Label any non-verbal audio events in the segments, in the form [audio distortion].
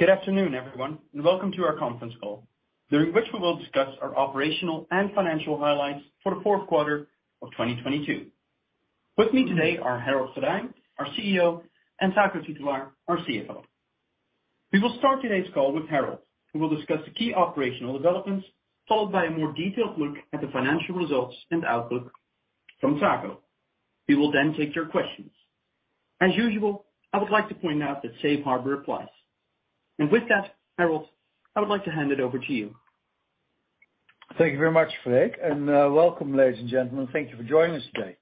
Good afternoon, everyone. Welcome to our conference call, during which we will discuss our operational and financial highlights for the 4th quarter of 2022. With me today are Harold Goddijn, our CEO, and Taco Titulaer, our CFO. We will start today's call with Harold, who will discuss the key operational developments, followed by a more detailed look at the financial results and outlook from Taco. We will take your questions. As usual, I would like to point out that safe harbor applies. With that, Harold, I would like to hand it over to you. Thank you very much, Freek. Welcome, ladies and gentlemen. Thank you for joining us today.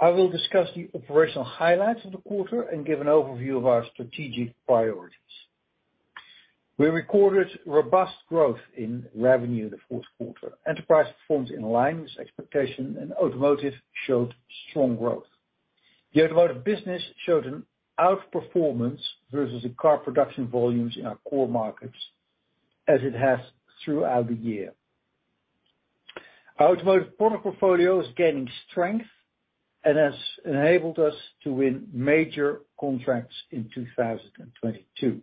I will discuss the operational highlights of the quarter and give an overview of our strategic priorities. We recorded robust growth in revenue in the 4th quarter. Enterprise performed in line with expectation, and automotive showed strong growth. The automotive business showed an outperformance versus the car production volumes in our core markets as it has throughout the year. Our automotive product portfolio is gaining strength and has enabled us to win major contracts in 2022.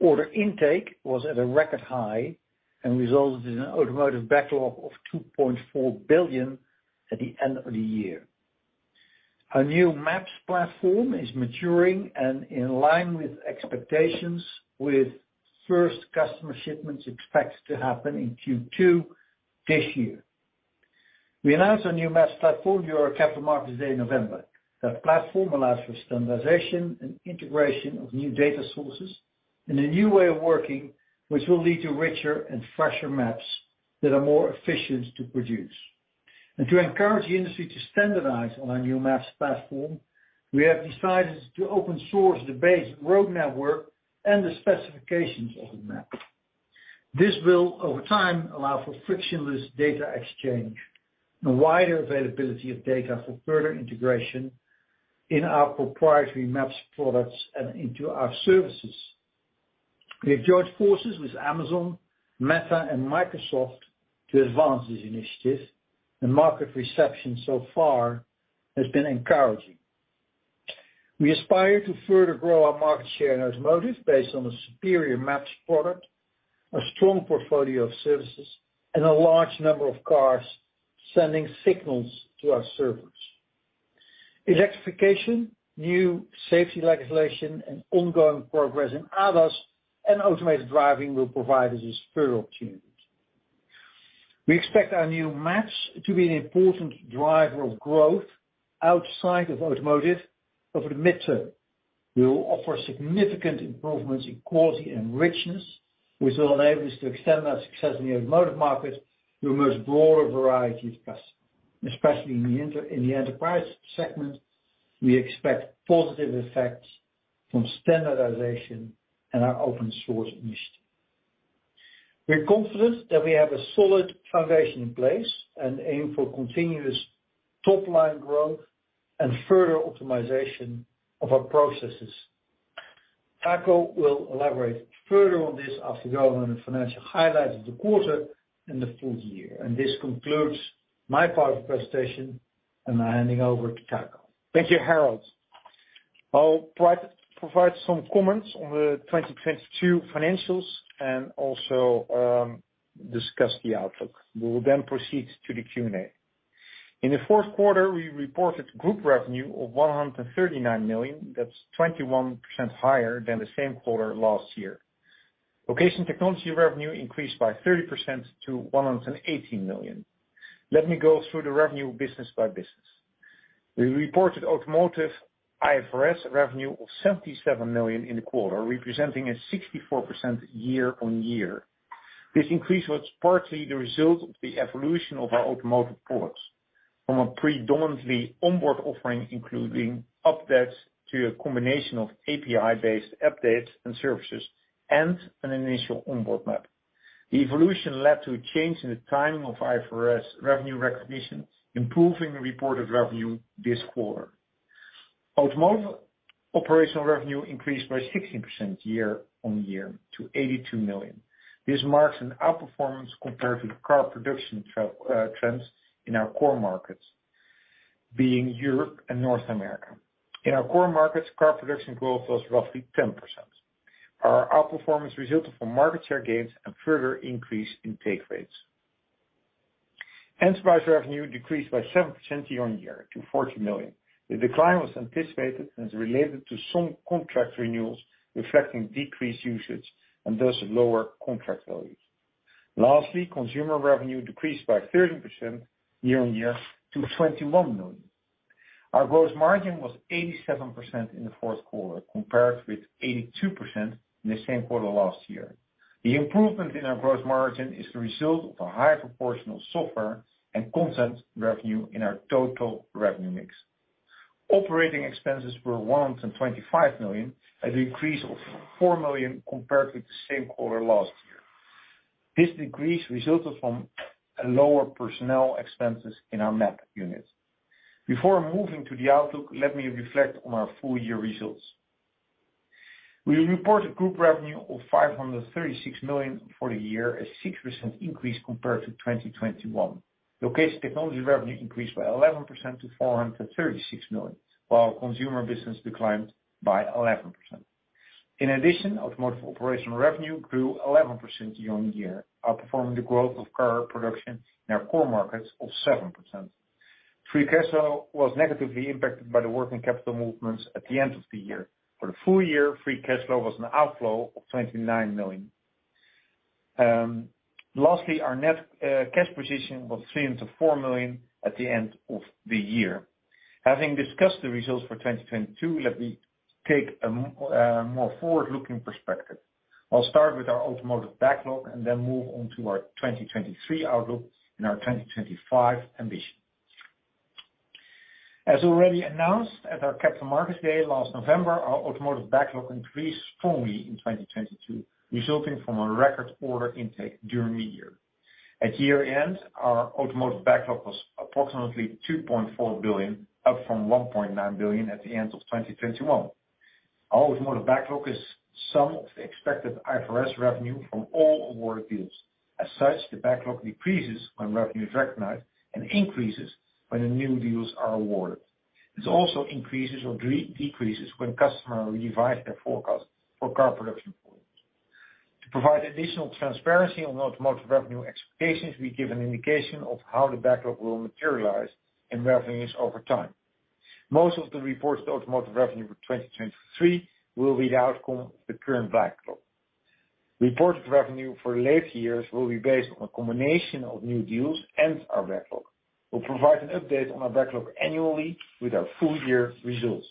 Order intake was at a record high and resulted in an automotive backlog of 2.4 billion at the end of the year. Our new maps platform is maturing and in line with expectations with first customer shipments expected to happen in Q2 this year. We announced our new maps platform during our Capital Markets Day in November. That platform allows for standardization and integration of new data sources and a new way of working, which will lead to richer and fresher maps that are more efficient to produce. To encourage the industry to standardize on our new maps platform, we have decided to open source the base road network and the specifications of the map. This will, over time, allow for frictionless data exchange and wider availability of data for further integration in our proprietary maps products and into our services. We have joined forces with Amazon, Meta, and Microsoft to advance this initiative, and market reception so far has been encouraging. We aspire to further grow our market share in automotive based on a superior maps product, a strong portfolio of services, and a large number of cars sending signals to our servers. Electrification, new safety legislation, and ongoing progress in ADAS and automated driving will provide us with further opportunities. We expect our new maps to be an important driver of growth outside of automotive over the midterm. We will offer significant improvements in quality and richness, which will enable us to extend our success in the automotive market to a much broader variety of customers. Especially in the enterprise segment, we expect positive effects from standardization and our open source initiative. We're confident that we have a solid foundation in place and aim for continuous top-line growth and further optimization of our processes. Taco will elaborate further on this after going on the financial highlights of the quarter and the full year. This concludes my part of the presentation, and I'm handing over to Taco. Thank you, Harold. I'll provide some comments on the 2022 financials and also discuss the outlook. We will then proceed to the Q&A. In the fourth quarter, we reported group revenue of 139 million, that's 21% higher than the same quarter last year. Location Technology revenue increased by 30% to 118 million. Let me go through the revenue business by business. We reported automotive IFRS revenue of 77 million in the quarter, representing a 64% year-on-year. This increase was partly the result of the evolution of our automotive products from a predominantly onboard offering, including updates to a combination of API-based updates and services and an initial onboard map. The evolution led to a change in the timing of IFRS revenue recognition, improving the reported revenue this quarter. Automotive operational revenue increased by 16% year-on-year to 82 million. This marks an outperformance compared to the car production trends in our core markets, being Europe and North America. In our core markets, car production growth was roughly 10%. Our outperformance resulted from market share gains and further increase in take rates. Enterprise revenue decreased by 7% year-on-year to 40 million. The decline was anticipated and is related to some contract renewals reflecting decreased usage and thus lower contract values. Lastly, consumer revenue decreased by 13% year-on-year to 21 million. Our gross margin was 87% in the fourth quarter compared with 82% in the same quarter last year. The improvement in our gross margin is the result of a higher proportion of software and content revenue in our total revenue mix. Operating expenses were 125 million, a decrease of 4 million compared with the same quarter last year. This decrease resulted from a lower personnel expenses in our map unit. Before moving to the outlook, let me reflect on our full year results. We reported group revenue of 536 million for the year, a 6% increase compared to 2021. Location Technology revenue increased by 11% to 436 million, while our consumer business declined by 11%. In addition, automotive operational revenue grew 11% year on year, outperforming the growth of car production in our core markets of 7%. Free cash flow was negatively impacted by the working capital movements at the end of the year. For the full year, free cash flow was an outflow of 29 million. Lastly, our net cash position was 304 million at the end of the year. Having discussed the results for 2022, let me take a more forward-looking perspective. I'll start with our automotive backlog and then move on to our 2023 outlook and our 2025 ambition. As already announced at our Capital Markets Day last November, our automotive backlog increased strongly in 2022, resulting from a record order intake during the year. At year-end, our automotive backlog was approximately 2.4 billion, up from 1.9 billion at the end of 2021. Our automotive backlog is some of the expected IFRS revenue from all award deals. As such, the backlog decreases when revenue is recognized and increases when the new deals are awarded. This also increases or decreases when customer revise their forecast for car production volumes. To provide additional transparency on automotive revenue expectations, we give an indication of how the backlog will materialize and revenues over time. Most of the reported automotive revenue for 2023 will be the outcome of the current backlog. Reported revenue for later years will be based on a combination of new deals and our backlog. We'll provide an update on our backlog annually with our full year results.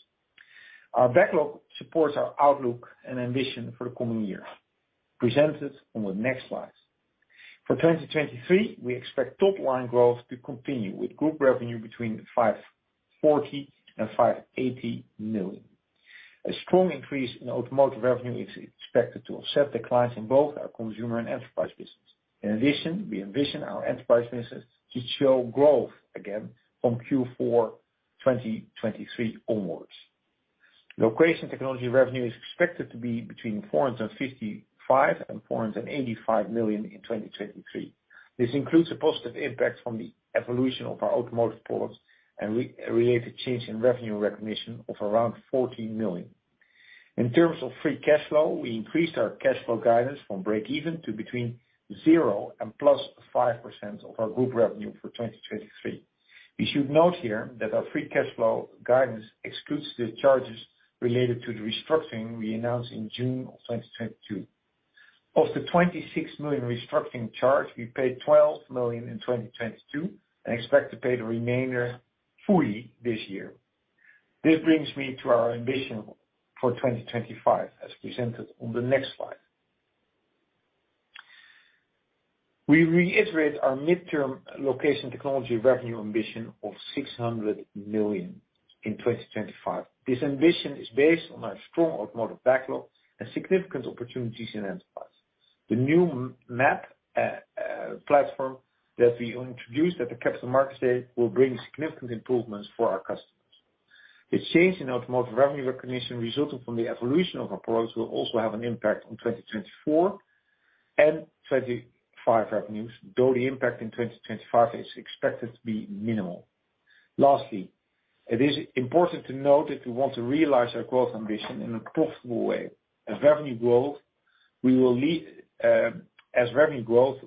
Our backlog supports our outlook and ambition for the coming years, presented on the next slides. For 2023, we expect top line growth to continue with group revenue between 540 million and 580 million. A strong increase in automotive revenue is expected to offset the clients in both our consumer and enterprise business. In addition, we envision our enterprise business to show growth again from Q4 2023 onwards. Location Technology revenue is expected to be between 455 million and 485 million in 2023. This includes a positive impact from the evolution of our automotive products and re-related change in revenue recognition of around 14 million. In terms of free cash flow, we increased our cash flow guidance from break even to between 0 and +5% of our group revenue for 2023. You should note here that our free cash flow guidance excludes the charges related to the restructuring we announced in June of 2022. Of the 26 million restructuring charge, we paid 12 million in 2022 and expect to pay the remainder fully this year. This brings me to our ambition for 2025, as presented on the next slide. We reiterate our midterm Location Technology revenue ambition of 600 million in 2025. The new m-map platform that we introduced at the Capital Markets Day will bring significant improvements for our customers. The change in automotive revenue recognition resulting from the evolution of our products will also have an impact on 2024 and 2025 revenues, though the impact in 2025 is expected to be minimal. Lastly, it is important to note that we want to realize our growth ambition in a profitable way. As revenue growth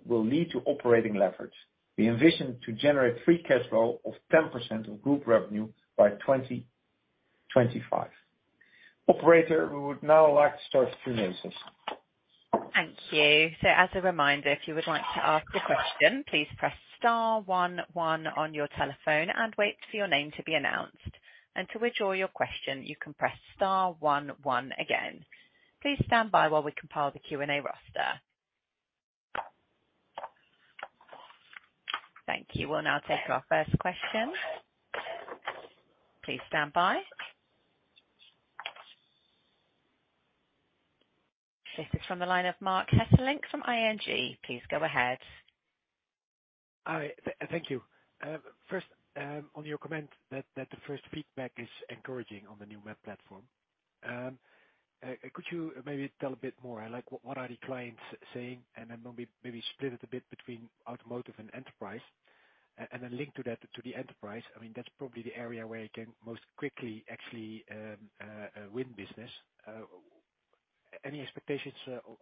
will lead to operating leverage. We envision to generate free cash flow of 10% of group revenue by 2025. Operator, we would now like to start Q&A session. Thank you. As a reminder, if you would like to ask a question, please press star one one on your telephone and wait for your name to be announced. To withdraw your question, you can press star one one again. Please stand by while we compile the Q&A roster. Thank you. We'll now take our first question. Please stand by. This is from the line of Marc Hesselink from ING. Please go ahead. Hi. Thank you. First, on your comment that the first feedback is encouraging on the new map platform, could you maybe tell a bit more, like what are the clients saying? Maybe split it a bit between automotive and enterprise. Link to that, to the enterprise, I mean, that's probably the area where you can most quickly actually win business. Any expectations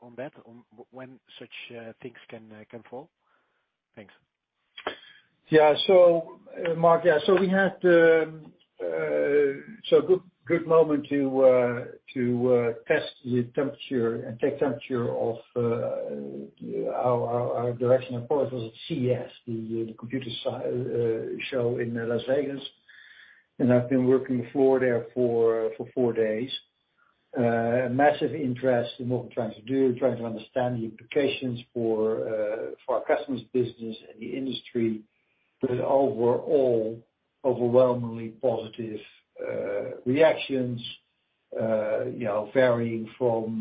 on that, on when such things can fall? Thanks. Marc, we had a good moment to test the temperature and take temperature of our direction of course was at CES, the computer show in Las Vegas, and I've been working the floor there for four days. Massive interest in what we're trying to do, trying to understand the implications for our customers' business and the industry. Overall, overwhelmingly positive reactions, you know, varying from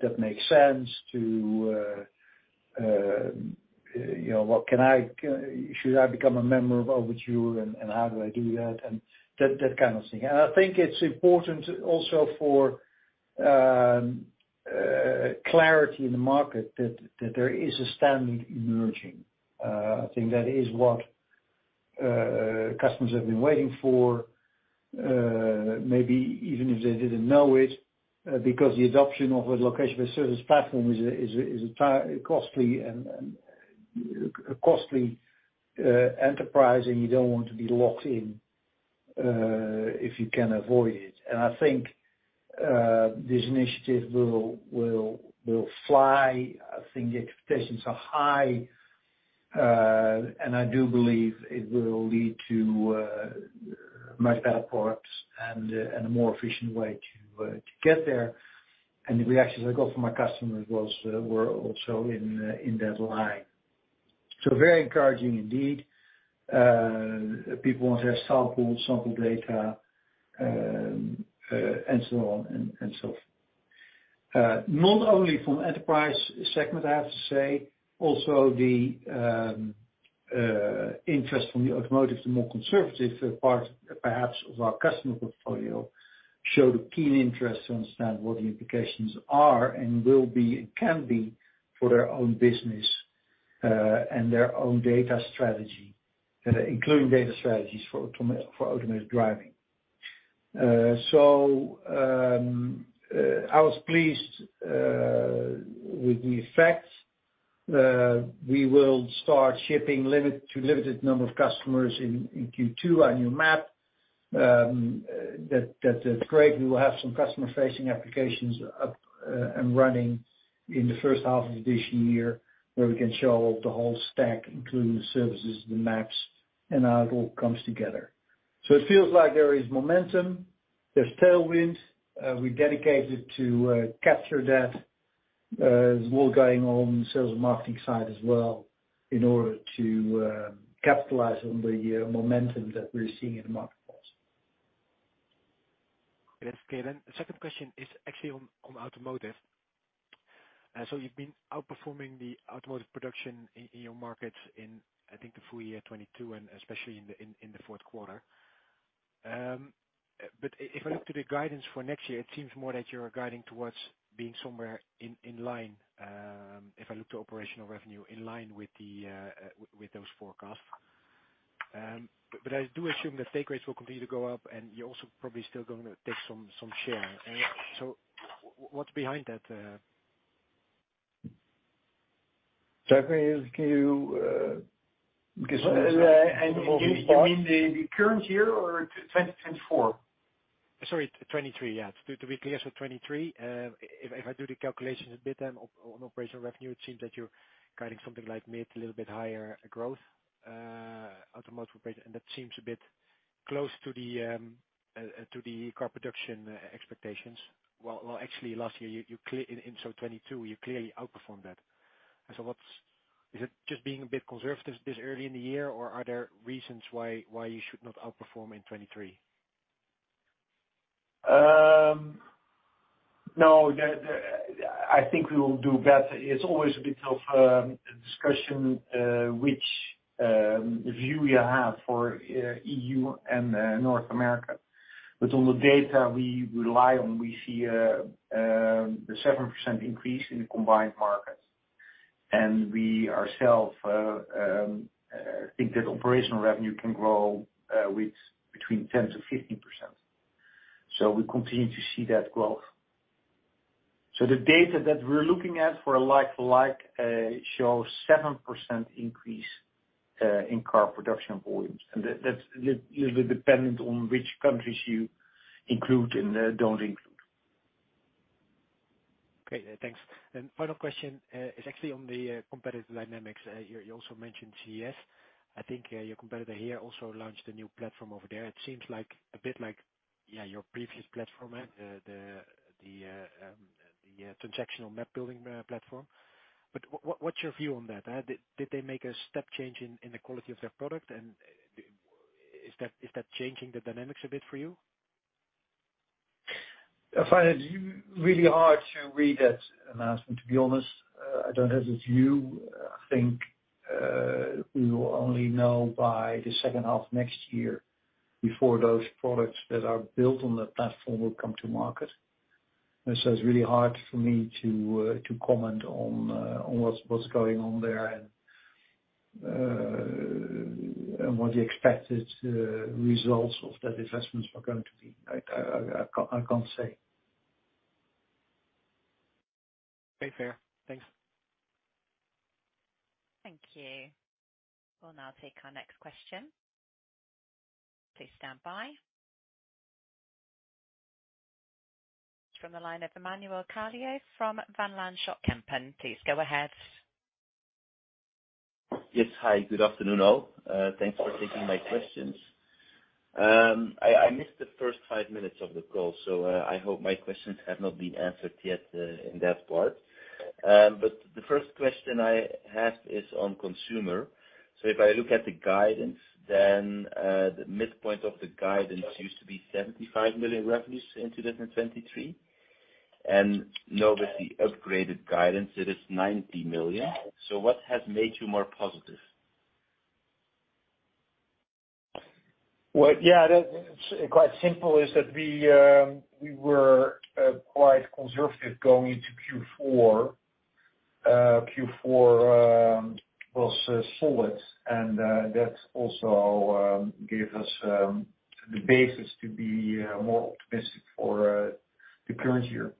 that makes sense to, you know, what can I, should I become a member of Overture and how do I do that? That kind of thing. I think it's important also for clarity in the market that there is a standard emerging. I think that is customers have been waiting for, maybe even if they didn't know it, because the adoption of a location-based service platform is a costly and a costly enterprise, and you don't want to be locked in, if you can avoid it. I think, this initiative will fly. I think the expectations are high, and I do believe it will lead to, much better products and a more efficient way to get there. The reactions I got from our customers were also in that line. Very encouraging indeed. People want their sample data, and so on and so forth. Not only from enterprise segment, I have to say, also the interest from the automotive, the more conservative part, perhaps, of our customer portfolio, showed a keen interest to understand what the implications are and will be and can be for their own business, and their own data strategy, including data strategies for autonomous driving. I was pleased with the effects. We will start shipping to limited number of customers in Q2, our new map. That is great. We will have some customer-facing applications up and running in the first half of this year, where we can show the whole stack, including the services, the maps, and how it all comes together. It feels like there is momentum, there's tailwind. We dedicated to capture that. There's a lot going on sales and marketing side as well in order to capitalize on the momentum that we're seeing in the marketplace. That's clear. The second question is actually on automotive. You've been outperforming the automotive production in your markets in, I think the full year 2022, and especially in the fourth quarter. If I look to the guidance for next year, it seems more that you're guiding towards being somewhere in line, if I look to operational revenue, in line with those forecasts. I do assume that take rates will continue to go up, and you're also probably still gonna take some share. What's behind that? Taco can you give... You mean the current year or 2024? Sorry, 2023, yeah. To be clear, 2023. If I do the calculations a bit then on operational revenue, it seems that you're guiding something like mid to little bit higher growth, automotive base. That seems a bit close to the car production expectations. Well, actually, last year, you clearly outperformed that. What's... Is it just being a bit conservative this early in the year, or are there reasons why you should not outperform in 2023? No, I think we will do better. It's always a bit of discussion, which view you have for EU and North America. On the data we rely on, we see a 7% increase in the combined markets. We ourself think that operational revenue can grow with between 10%-15%. We continue to see that growth. The data that we're looking at for a like, shows 7% increase in car production volumes. That's usually dependent on which countries you include and don't include. Okay, thanks. Final question is actually on the competitive dynamics. You also mentioned GS. I think your competitor here also launched a new platform over there. It seems like, a bit like, yeah, your previous platform, the transactional map-building platform. What's your view on that? Did they make a step change in the quality of their product? Is that changing the dynamics a bit for you? I find it really hard to read that announcement, to be honest. I don't have the view. I think, we will only know by the second half of next year before those products that are built on that platform will come to market. It's really hard for me to comment on what's going on there and what the expected results of that assessment are going to be. I can't say. Okay, fair. Thanks. Thank you. We'll now take our next question. Please stand by. From the line of Emmanuel Carlier from Van Lanschot Kempen. Please go ahead. Yes. Hi, good afternoon all. Thanks for taking my questions. I missed the first five minutes of the call. I hope my questions have not been answered yet in that part. The first question I have is on consumer. If I look at the guidance, the midpoint of the guidance used to be 75 million revenues in 2023. Now with the upgraded guidance, it is 90 million. What has made you more positive? Well, yeah, that's, it's quite simple, is that we were quite conservative going into Q4. Q4 was solid, and that also gave us the basis to be more optimistic for the current year.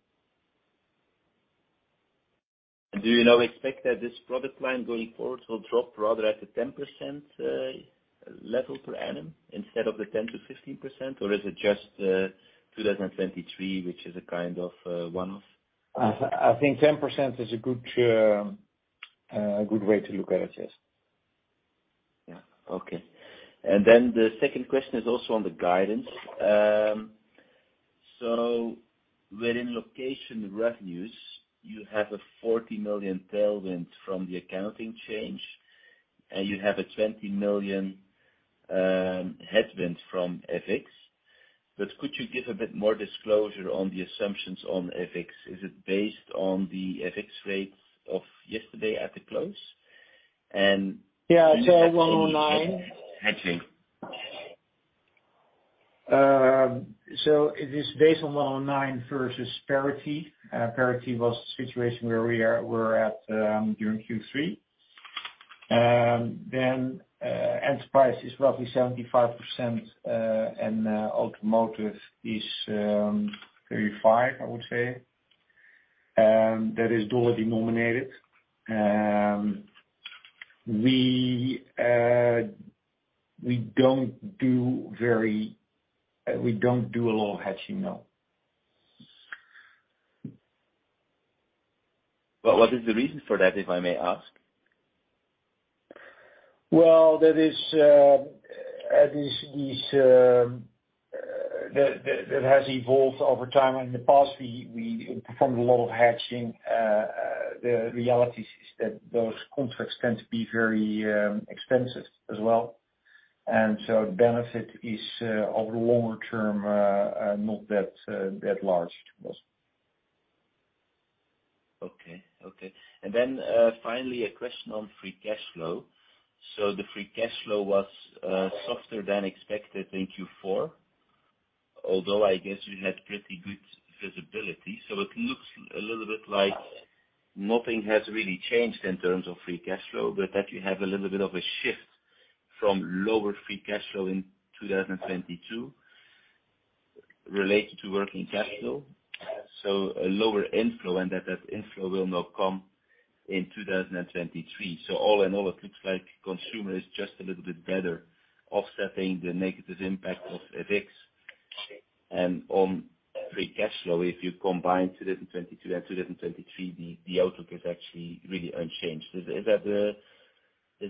Do you now expect that this product line going forward will drop rather at the 10% level per annum instead of the 10%-15%? Or is it just 2023, which is a kind of one-off? I think 10% is a good, a good way to look at it, yes. Yeah. Okay. Then the second question is also on the guidance. Within location revenues, you have a 40 million tailwind from the accounting change, and you have a 20 million headwind from FX. Could you give a bit more disclosure on the assumptions on FX? Is it based on the FX rates of yesterday at the close? And do you have... Yeah, 109. ...hedging? It is based on 109 versus parity. Parity was the situation where we were at during Q3. Enterprise is roughly 75%, and automotive is 35%, I would say. That is dollar denominated. We don't do a lot of hedging, no. What is the reason for that, if I may ask? Well, that is, at least these, that has evolved over time. In the past we performed a lot of hedging. The reality is that those contracts tend to be very expensive as well. The benefit is, over the longer term, not that large to us. Okay. Okay. Then, finally, a question on free cash flow. The free cash flow was softer than expected in Q4, although I guess you had pretty good visibility. It looks a little bit like nothing has really changed in terms of free cash flow, but that you have a little bit of a shift from lower free cash flow in 2022 related to working cash flow, so a lower inflow, and that inflow will now come in 2023. All in all, it looks like consumer is just a little bit better offsetting the negative impact of FX and on free cash flow. If you combine 2022 and 2023, the outlook is actually really unchanged. Is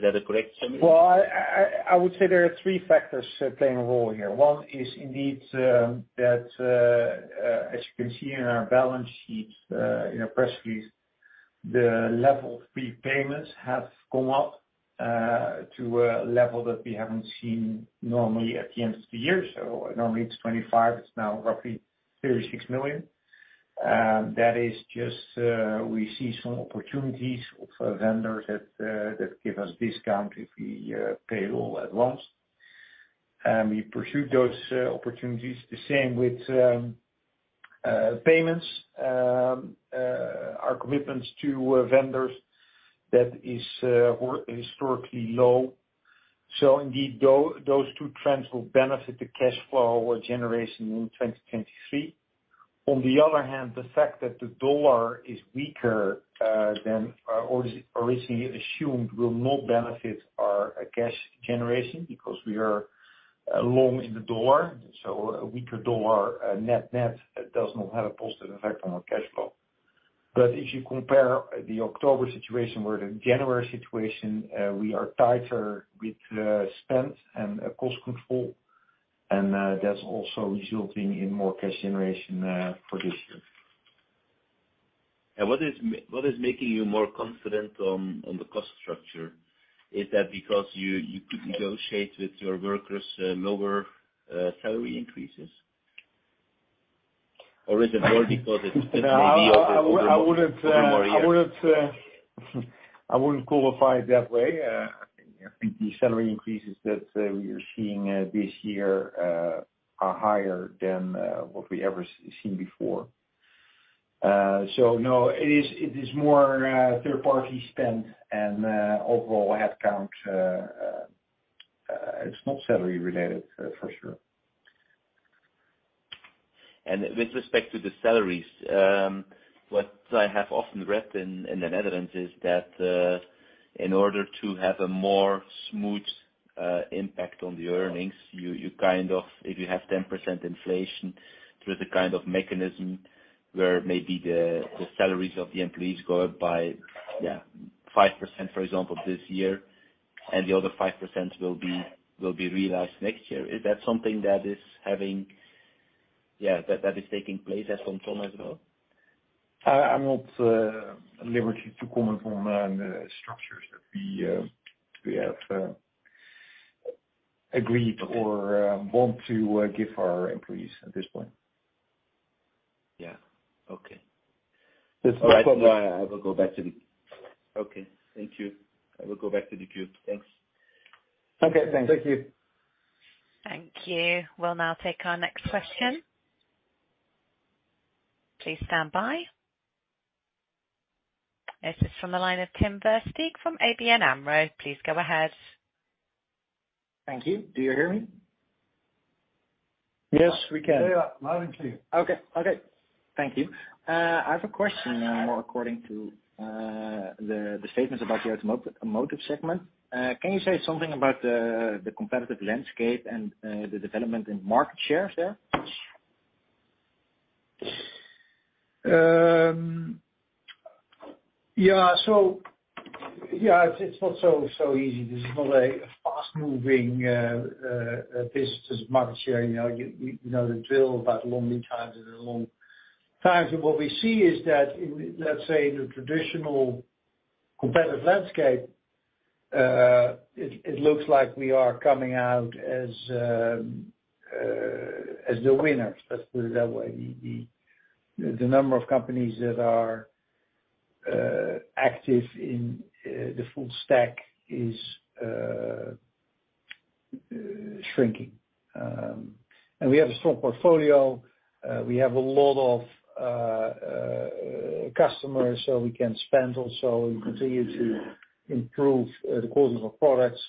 that a correct summary? I would say there are three factors playing a role here. One is indeed that as you can see in our balance sheet, in our press release, the level of prepayments have gone up to a level that we haven't seen normally at the end of the year. Normally it's 25, it's now roughly 36 million. That is just we see some opportunities of vendors that give us discount if we pay it all at once. We pursue those opportunities. The same with payments. Our commitments to vendors were historically low. Indeed, those two trends will benefit the cash flow generation in 2023. On the other hand, the fact that the dollar is weaker, than originally assumed will not benefit our cash generation because we are long in the dollar. A weaker dollar, net-net, it does not have a positive effect on our cash flow. If you compare the October situation with the January situation, we are tighter with spend and cost control. That's also resulting in more cash generation for this year. What is making you more confident on the cost structure? Is that because you could negotiate with your workers, lower salary increases? Or is it more because it's maybe over more years? No, I wouldn't qualify it that way. I think the salary increases that we are seeing this year are higher than what we ever seen before. No, it is more third party spend and overall headcount. It's not salary related, for sure. With respect to the salaries, what I have often read in the Netherlands is that, in order to have a more smooth impact on the earnings, you kind of, if you have 10% inflation through the kind of mechanism where maybe the salaries of the employees go up by 5%, for example, this year, and the other 5% will be realized next year. Is that something that is having, that is taking place [audio distortion] as well? I'm not at liberty to comment on the structures that we have agreed or want to give our employees at this point. Okay, thank you. I will go back to the queue. Thanks. Okay, thanks. Thank you. Thank you. We'll now take our next question. Please stand by. This is from the line of Tim Versteeg from ABN AMRO. Please go ahead. Thank you. Do you hear me? Yes, we can. Yeah, loud and clear. Okay. Okay. Thank you. I have a question more according to the statements about your automotive segment. Can you say something about the competitive landscape and the development in market shares there? Yeah, so yeah, it's not so easy. This is not a fast-moving business market share. You know, you know the drill about long lead times and the long times. What we see is that in, let's say, the traditional competitive landscape, it looks like we are coming out as the winner, let's put it that way. The number of companies that are active in the full stack is shrinking. We have a strong portfolio. We have a lot of customers, so we can spend also and continue to improve the quality of our products.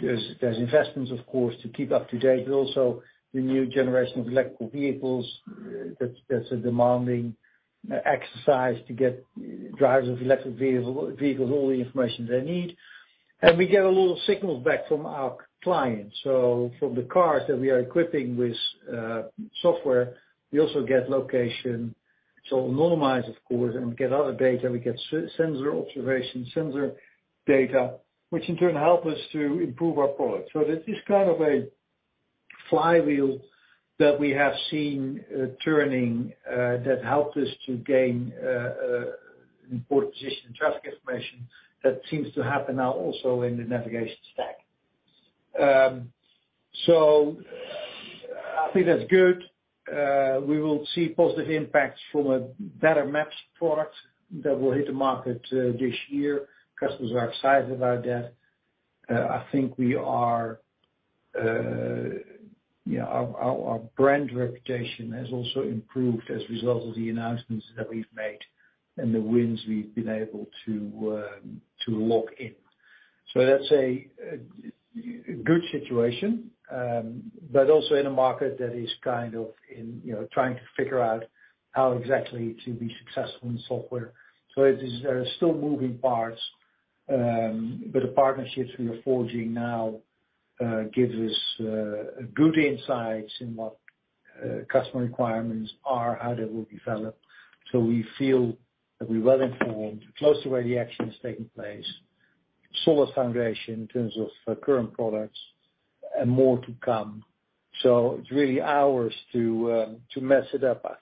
There's investments, of course, to keep up to date, but also the new generation of electrical vehicles. That's a demanding exercise to get drivers of electric vehicles all the information they need. We get a lot of signals back from our clients. From the cars that we are equipping with software, we also get location. Anonymized, of course, we get other data. We get sensor observations, sensor data, which in turn help us to improve our product. This is kind of a flywheel that we have seen turning that helped us to gain an important position in traffic information that seems to happen now also in the navigation stack. I think that's good. We will see positive impacts from a better maps product that will hit the market this year. Customers are excited about that. I think we are, you know, our brand reputation has also improved as a result of the announcements that we've made and the wins we've been able to lock in. That's a good situation, but also in a market that is kind of in, you know, trying to figure out how exactly to be successful in software. It is still moving parts. The partnerships we are forging now, gives us good insights in what customer requirements are, how they will be developed. We feel that we're well informed, close to where the action is taking place. Solid foundation in terms of current products and more to come. It's really ours to mess it up, I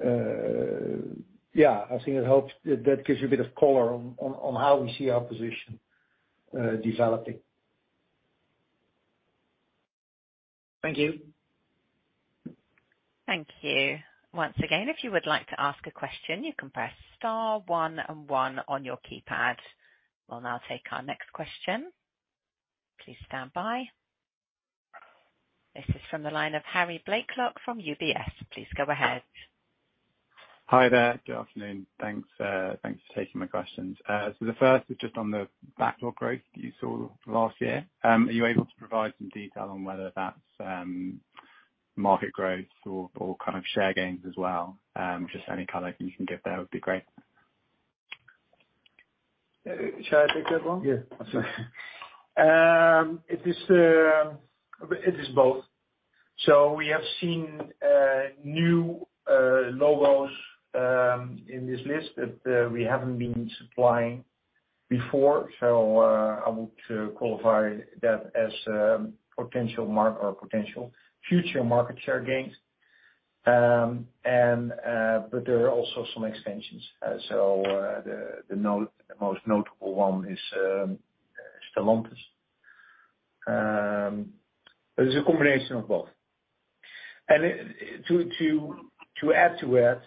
think. Yeah, I think it helps. That gives you a bit of color on how we see our position developing. Thank you. Thank you. Once again, if you would like to ask a question, you can press star one one on your keypad. We'll now take our next question. Please stand by. This is from the line of Harry Blaiklock from UBS. Please go ahead. Hi there. Good afternoon. Thanks. Thanks for taking my questions. The first is just on the backlog growth you saw last year. Are you able to provide some detail on whether that's market growth or kind of share gains as well? Just any color you can give there would be great. Shall I take that one? Yeah. It is both. We have seen new logos in this list that we haven't been supplying before. I would qualify that as potential mark or potential future market share gains. There are also some expansions. The most notable one is Stellantis. It's a combination of both. To add to it,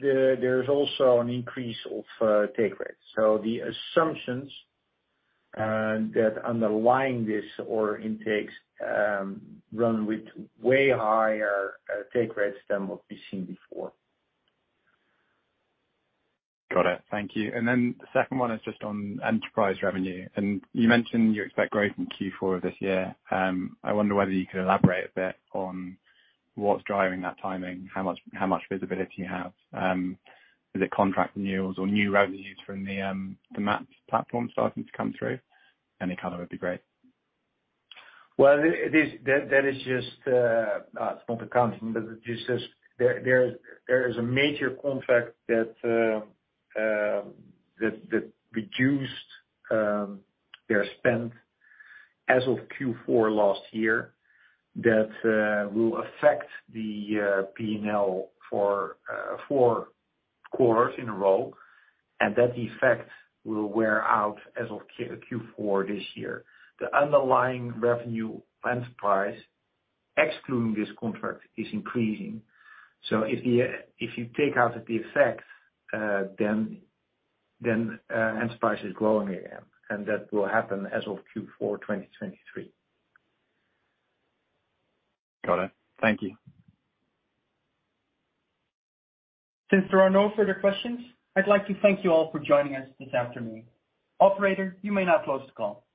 there's also an increase of take rates. The assumptions that underlying this order intakes run with way higher take rates than what we've seen before. Got it. Thank you. The second one is just on enterprise revenue. You mentioned you expect growth in Q4 of this year. I wonder whether you could elaborate a bit on what's driving that timing, how much visibility you have. Is it contract renewals or new revenues from the maps platform starting to come through? Any color would be great. It is, that is just, it's not accounting, but it's just, there is a major contract that reduced their spend as of Q4 last year. That will affect the P&L for four quarters in a row, and that effect will wear out as of Q4 this year. The underlying revenue enterprise, excluding this contract, is increasing. If you take out the effect, then enterprise is growing again, and that will happen as of Q4 2023. Got it. Thank you. Since there are no further questions, I'd like to thank you all for joining us this afternoon. Operator, you may now close the call.